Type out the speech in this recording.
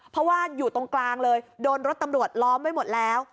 เพราะว่าอยู่ตรงกลางเลยโดนรถตำรวจล้อมไว้หมดแล้ว